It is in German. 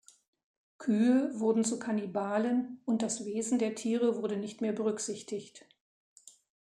Kühe wurden zu Kannibalen, und das Wesen der Tiere wurde nicht mehr berücksichtigt.